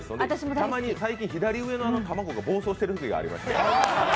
たまに左上の卵が暴走しているときがありまして。